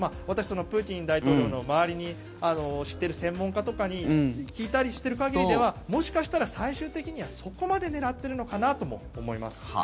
私、プーチン大統領の周りの知っている専門家とかに聞いたりしている限りではもしかしたら最終的にはそこまで狙っているのかなとも思います。